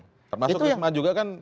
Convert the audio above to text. termasuk risma juga kan